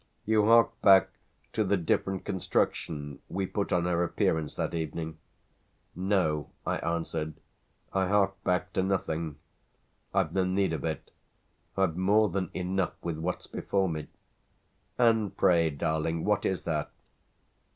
_" "You hark back to the different construction we put on her appearance that evening?" "No," I answered, "I hark back to nothing. I've no need of it. I've more than enough with what's before me." "And pray, darling, what is that?"